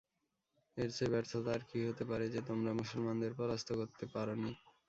এর চেয়ে ব্যর্থতা আর কি হতে পারে যে, তোমরা মুসলমানদের পরাস্ত করতে পারনি।